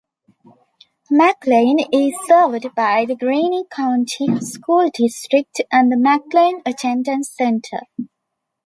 McLain is served by the Greene County School District and the Mclain Attendance Center.